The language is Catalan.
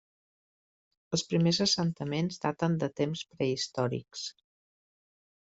Els primers assentaments daten de temps prehistòrics.